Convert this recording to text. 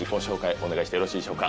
お願いしてよろしいでしょうか？